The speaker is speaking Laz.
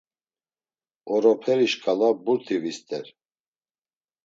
Oroperi şkala burti vister.